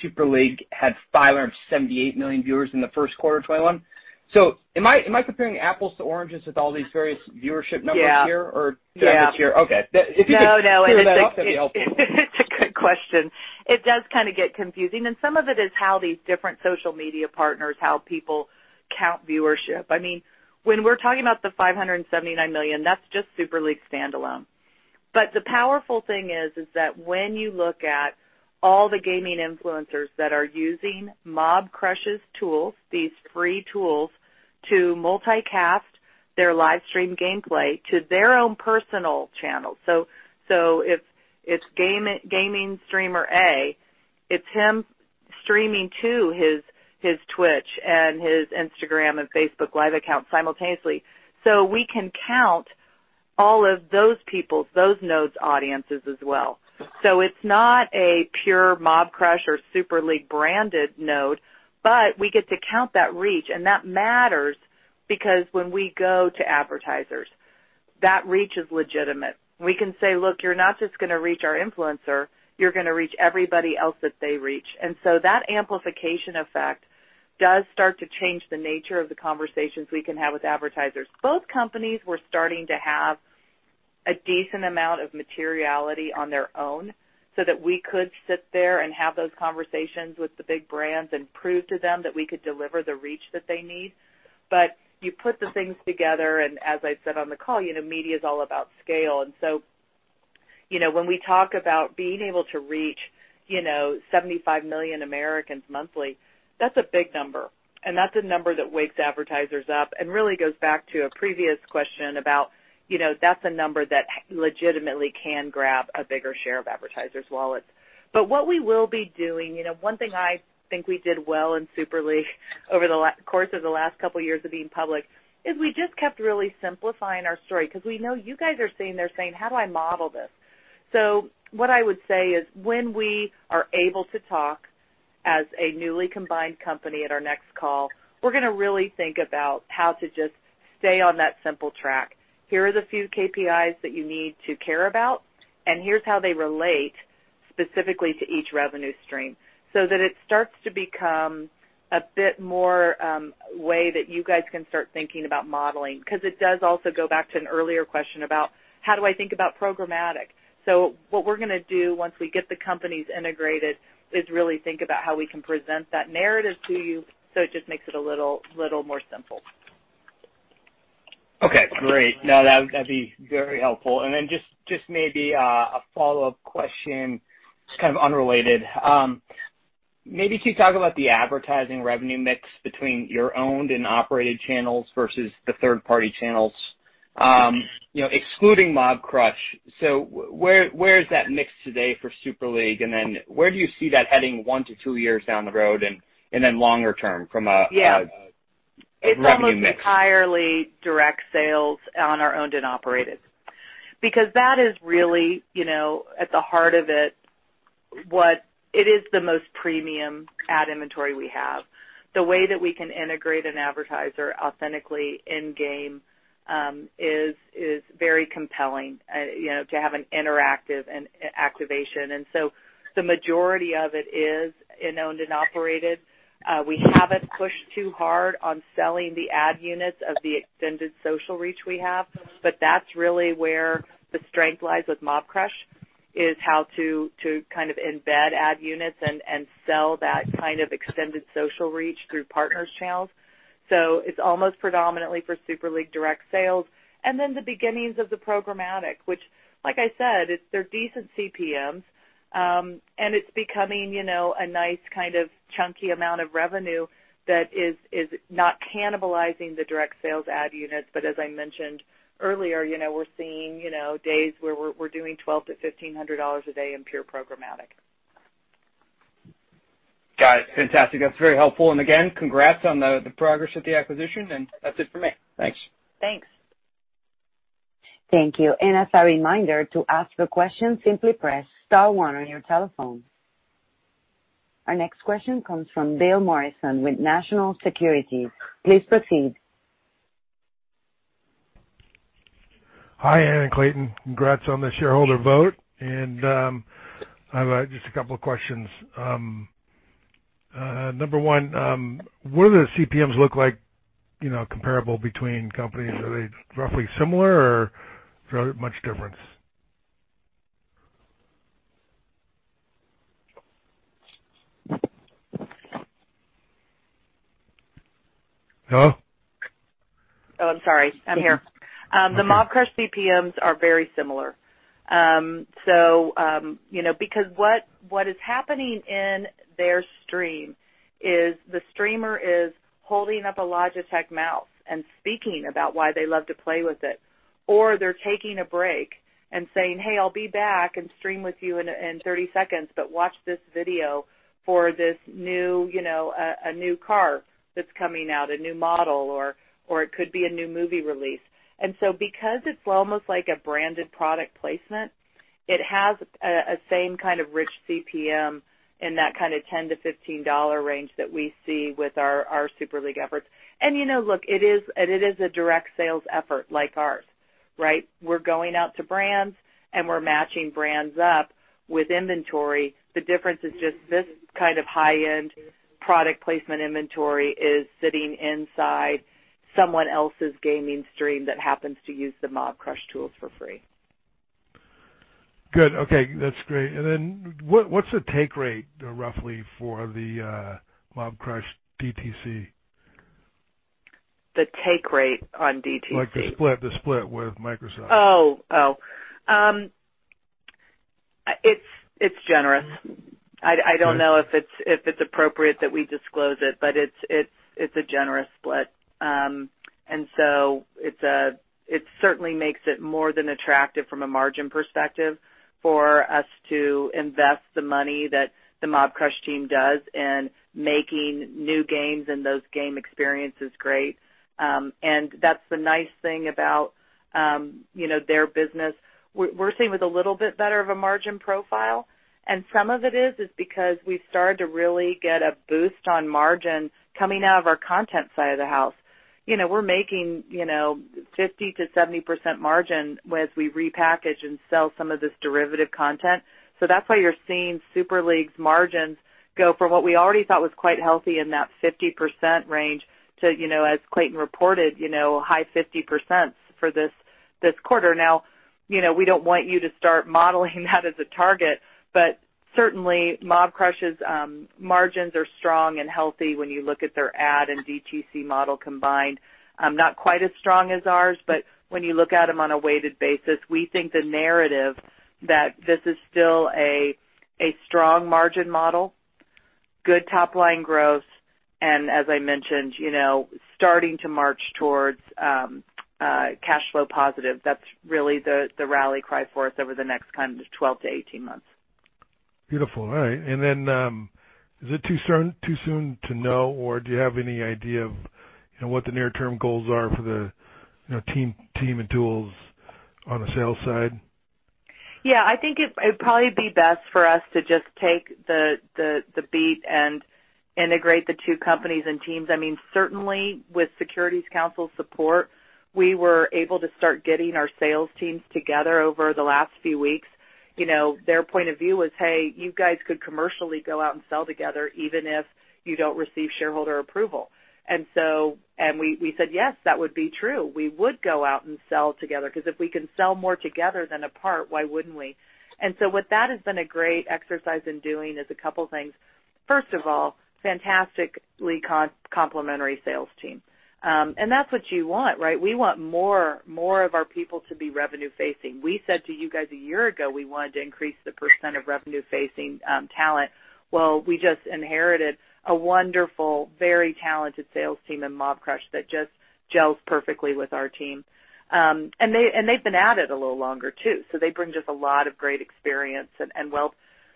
Super League had 578 million viewers in the first quarter of 2021. Am I comparing apples to oranges with all these various viewership numbers here? Yeah. Okay. If you could that'd be helpful. It's a good question. It does kind of get confusing, and some of it is how these different social media partners, how people count viewership. When we're talking about the 579 million, that's just Super League standalone. The powerful thing is that when you look at all the gaming influencers that are using Mobcrush's tools, these free tools to multicast their livestream gameplay to their own personal channel. If gaming streamer A, it's him streaming to his Twitch and his Instagram and Facebook Live account simultaneously. We can count all of those people, those nodes' audiences as well. It's not a pure Mobcrush or Super League branded node, but we get to count that reach, and that matters because when we go to advertisers, that reach is legitimate. We can say, "Look, you're not just going to reach our influencer. You're going to reach everybody else that they reach. That amplification effect does start to change the nature of the conversations we can have with advertisers. Both companies were starting to have a decent amount of materiality on their own so that we could sit there and have those conversations with the big brands and prove to them that we could deliver the reach that they need. You put the things together, and as I said on the call, media is all about scale. When we talk about being able to reach 75 million Americans monthly, that's a big number. That's a number that wakes advertisers up and really goes back to a previous question about, that's a number that legitimately can grab a bigger share of advertisers' wallets. What we will be doing, one thing I think we did well in Super League over the course of the last couple of years of being public, is we just kept really simplifying our story, because we know you guys are sitting there saying, "How do I model this?" What I would say is when we are able to talk as a newly combined company at our next call, we're going to really think about how to just stay on that simple track. Here are the few KPIs that you need to care about, and here's how they relate specifically to each revenue stream, so that it starts to become a bit more way that you guys can start thinking about modeling. It does also go back to an earlier question about how do I think about programmatic. What we're going to do once we get the companies integrated is really think about how we can present that narrative to you so it just makes it a little more simple. Okay, great. No, that'd be very helpful. Just maybe a follow-up question, just kind of unrelated. Maybe could you talk about the advertising revenue mix between your owned and operated channels versus the third-party channels? Excluding Mobcrush, so where is that mix today for Super League? Where do you see that heading one to two years down the road and then longer term from a- Yeah Revenue mix? It's almost entirely direct sales on our owned and operated. Because that is really at the heart of it is the most premium ad inventory we have. The way that we can integrate an advertiser authentically in-game, is very compelling, to have an interactive and activation. The majority of it is in owned and operated. We haven't pushed too hard on selling the ad units of the extended social reach we have, but that's really where the strength lies with Mobcrush, is how to kind of embed ad units and sell that kind of extended social reach through partners channels. It's almost predominantly for Super League direct sales. The beginnings of the programmatic, which like I said, they're decent CPMs. It's becoming a nice kind of chunky amount of revenue that is not cannibalizing the direct sales ad units. As I mentioned earlier, we're seeing days where we're doing $1,200-$1,500 a day in pure programmatic. Got it. Fantastic. That is very helpful. Again, congrats on the progress of the acquisition and that is it for me. Thanks. Thanks. Thank you. As a reminder, to ask a question, simply press star one on your telephone. Our next question comes from Bill Morrison with National Securities. Please proceed. Hi, Ann and Clayton. Congrats on the shareholder vote. I have just a couple of questions. Number one, what do the CPMs look like comparable between companies? Are they roughly similar or is there much difference? Hello? Oh, I'm sorry. I'm here. The Mobcrush CPMs are very similar. What is happening in their stream is the streamer is holding up a Logitech mouse and speaking about why they love to play with it. They're taking a break and saying, "Hey, I'll be back and stream with you in 30 seconds, but watch this video for this new car that's coming out, a new model, or it could be a new movie release." Because it's almost like a branded product placement, it has a same kind of rich CPM in that kind of $10-$15 range that we see with our Super League efforts. Look, it is a direct sales effort like ours, right? We're going out to brands and we're matching brands up with inventory. The difference is just this kind of high-end product placement inventory is sitting inside someone else's gaming stream that happens to use the Mobcrush tools for free. Good. Okay. That's great. Then what's the take rate, roughly, for the Mobcrush DTC? The take rate on DTC? The split with Microsoft. It's generous. I don't know if it's appropriate that we disclose it, but it's a generous split. It certainly makes it more than attractive from a margin perspective for us to invest the money that the Mobcrush team does in making new games and those game experiences great. That's the nice thing about their business. We're sitting with a little bit better of a margin profile, and some of it is because we've started to really get a boost on margins coming out of our content side of the house. We're making 50%-70% margin as we repackage and sell some of this derivative content. That's why you're seeing Super League's margins go from what we already thought was quite healthy in that 50% range to, as Clayton reported, high 50% for this quarter. We don't want you to start modeling that as a target, but certainly Mobcrush's margins are strong and healthy when you look at their ad and DTC model combined. Not quite as strong as ours, but when you look at them on a weighted basis, we think the narrative that this is still a strong margin model, good top-line growth, and as I mentioned, starting to march towards cash flow positive. That's really the rally cry for us over the next kind of just 12-18 months. Beautiful. All right. Is it too soon to know, or do you have any idea of what the near-term goals are for the team at [duels on the sales side? Yeah, I think it'd probably be best for us to just take the beat and integrate the two companies and teams. Certainly, with securities counsel support, we were able to start getting our sales teams together over the last few weeks. Their point of view was, "Hey, you guys could commercially go out and sell together even if you don't receive shareholder approval." We said, "Yes, that would be true. We would go out and sell together." Because if we can sell more together than apart, why wouldn't we? What that has been a great exercise in doing is a couple things. First of all, fantastically complimentary sales team. That's what you want. We want more of our people to be revenue facing. We said to you guys a year ago, we wanted to increase the percent of revenue facing talent. Well, we just inherited a wonderful, very talented sales team in Mobcrush that just gels perfectly with our team. They've been at it a little longer too, so they bring just a lot of great experience. Well,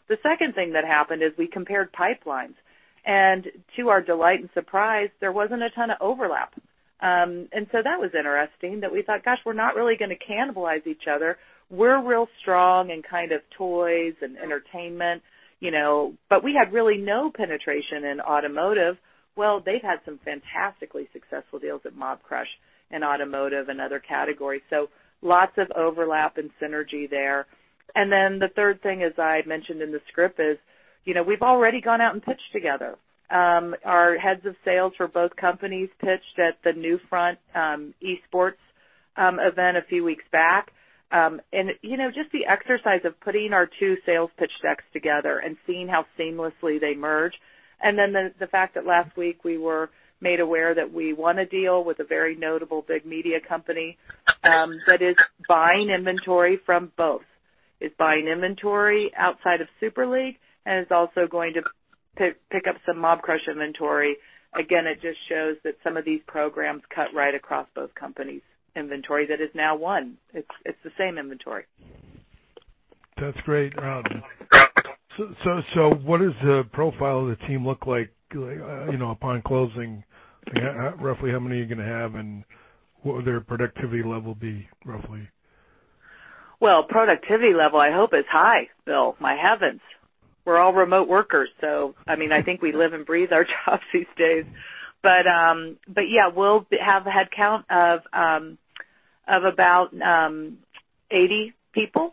the second thing that happened is we compared pipelines, and to our delight and surprise, there wasn't a ton of overlap. That was interesting that we thought, gosh, we're not really going to cannibalize each other. We're real strong in toys and entertainment, but we had really no penetration in automotive. Well, they've had some fantastically successful deals at Mobcrush in automotive and other categories, so lots of overlap and synergy there. Then the third thing, as I had mentioned in the script is, we've already gone out and pitched together. Our heads of sales for both companies pitched at the NewFront Esports event a few weeks back. Just the exercise of putting our two sales pitch decks together and seeing how seamlessly they merge, and then the fact that last week we were made aware that we won a deal with a very notable big media company that is buying inventory from both. It's buying inventory outside of Super League, and it's also going to pick up some Mobcrush inventory. It just shows that some of these programs cut right across both companies' inventory that is now one. It's the same inventory. That's great. What does the profile of the team look like upon closing? Roughly how many are you going to have, and what will their productivity level be roughly? Well, productivity level, I hope it's high, Bill. My heavens. We're all remote workers, I think we live and breathe our jobs these days. Yeah, we'll have a headcount of about 80 people.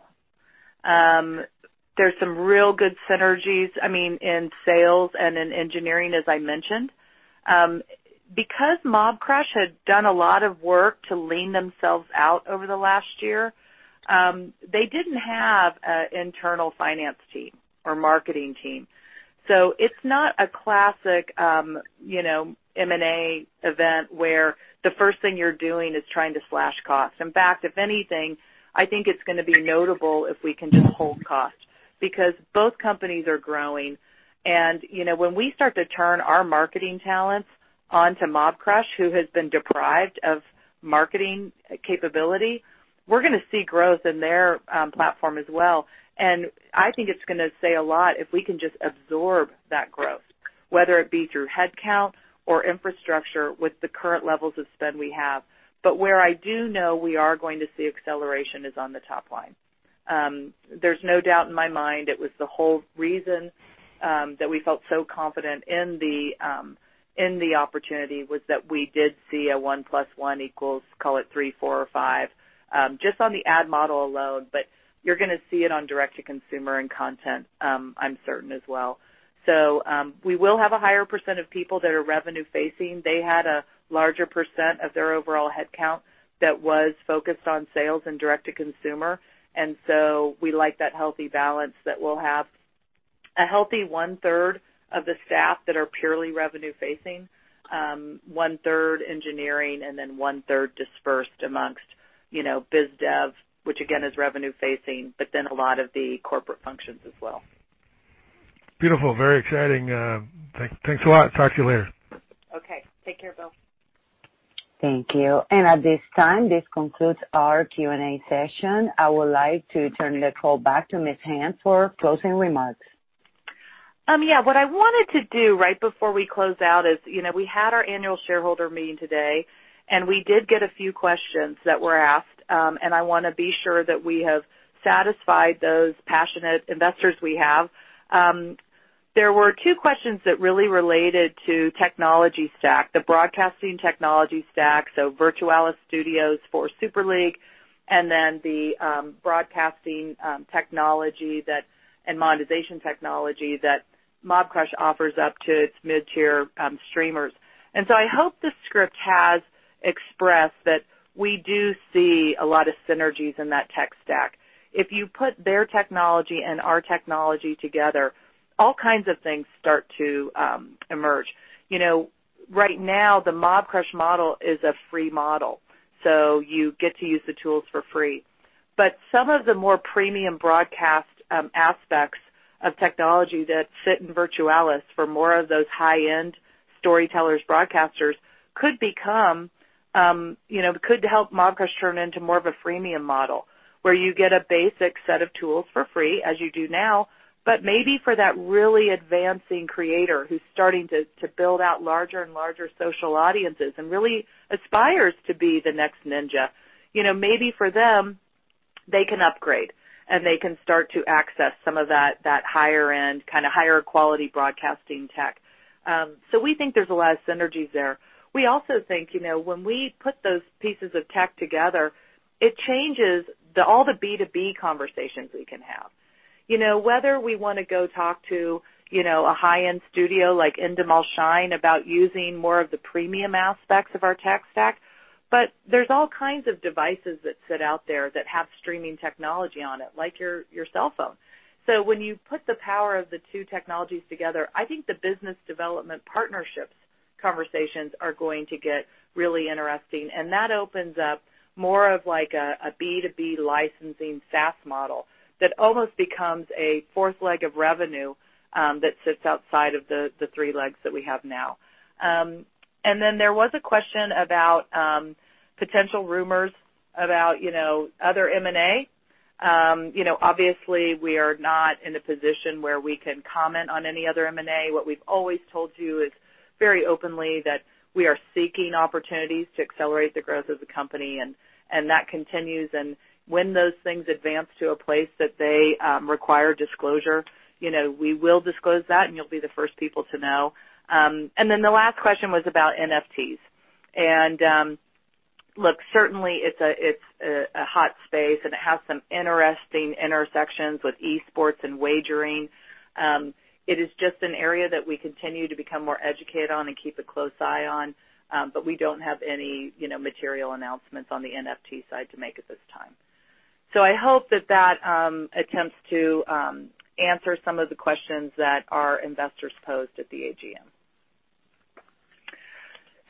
There's some real good synergies in sales and in engineering, as I mentioned. Mobcrush had done a lot of work to lean themselves out over the last year, they didn't have an internal finance team or marketing team. It's not a classic M&A event where the first thing you're doing is trying to slash costs. In fact, if anything, I think it's going to be notable if we can just hold costs, because both companies are growing, and when we start to turn our marketing talents onto Mobcrush, who has been deprived of marketing capability, we're going to see growth in their platform as well. I think it's going to say a lot if we can just absorb that growth, whether it be through headcount or infrastructure with the current levels of spend we have. Where I do know we are going to see acceleration is on the top line. There's no doubt in my mind it was the whole reason that we felt so confident in the opportunity was that we did see a one plus one equals, call it three, four, or five, just on the ad model alone. You're going to see it on direct to consumer and content, I'm certain as well. We will have a higher percent of people that are revenue facing. They had a larger percent of their overall headcount that was focused on sales and direct to consumer. We like that healthy balance that we'll have a healthy one-third of the staff that are purely revenue facing, one-third engineering, and then one-third dispersed amongst biz dev, which again, is revenue facing, but then a lot of the corporate functions as well. Beautiful. Very exciting. Thanks a lot. Talk to you later. Okay. Take care, Bill. Thank you. At this time, this concludes our Q&A session. I would like to turn the call back to Ms. Hand for closing remarks. What I wanted to do right before we close out is, we had our annual shareholder meeting today, and we did get a few questions that were asked, and I want to be sure that we have satisfied those passionate investors we have. There were two questions that really related to technology stack, the broadcasting technology stack, so Virtualis Studios for Super League, and then the broadcasting technology and monetization technology that Mobcrush offers up to its mid-tier streamers. I hope the script has expressed that we do see a lot of synergies in that tech stack. If you put their technology and our technology together, all kinds of things start to emerge. Right now, the Mobcrush model is a free model, so you get to use the tools for free. Some of the more premium broadcast aspects of technology that fit in Virtualis for more of those high-end storytellers broadcasters could help Mobcrush turn into more of a freemium model where you get a basic set of tools for free, as you do now. Maybe for that really advancing creator who's starting to build out larger and larger social audiences and really aspires to be the next Ninja, maybe for them, they can upgrade, and they can start to access some of that higher-end, higher-quality broadcasting tech. We think there's a lot of synergies there. We also think, when we put those pieces of tech together, it changes all the B2B conversations we can have. Whether we want to go talk to a high-end studio like Endemol Shine about using more of the premium aspects of our tech stack, but there's all kinds of devices that sit out there that have streaming technology on it, like your cellphone. When you put the power of the two technologies together, I think the business development partnerships conversations are going to get really interesting, and that opens up more of a B2B licensing SaaS model that almost becomes a fourth leg of revenue that sits outside of the three legs that we have now. Then there was a question about potential rumors about other M&A. Obviously we are not in a position where we can comment on any other M&A. What we've always told you is very openly that we are seeking opportunities to accelerate the growth of the company, and that continues. When those things advance to a place that they require disclosure, we will disclose that, and you'll be the first people to know. The last question was about NFTs. Look, certainly it's a hot space, and it has some interesting intersections with esports and wagering. It is just an area that we continue to become more educated on and keep a close eye on, but we don't have any material announcements on the NFT side to make at this time. I hope that that attempts to answer some of the questions that our investors posed at the AGM.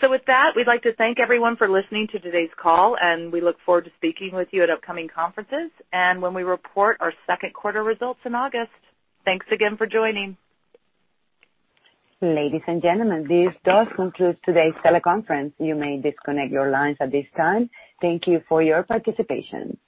With that, we'd like to thank everyone for listening to today's call, and we look forward to speaking with you at upcoming conferences and when we report our second quarter results in August. Thanks again for joining. Ladies and gentlemen, this does conclude today's teleconference. You may disconnect your lines at this time. Thank you for your participation.